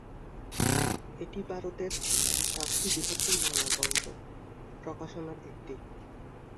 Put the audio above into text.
এটি ভারতের পাঁচটি বৃহত্তম বাংলা গ্রন্থ প্রকাশনার একটি।